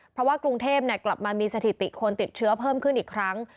เพราะว่ากรุงเทพกลับมามีสถิติคนติดเชื้อเพิ่มขึ้นอีกครั้ง